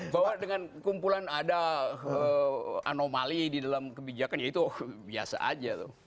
bahwa dengan kumpulan ada anomali di dalam kebijakan ya itu biasa aja tuh